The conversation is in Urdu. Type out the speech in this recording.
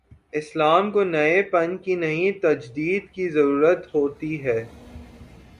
اسلام کو نئے پن کی نہیں، تجدید کی ضرورت ہو تی ہے۔